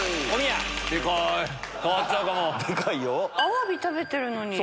アワビ食べてるのに。